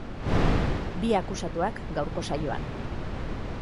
Bi akusatuak, gaurko saioan.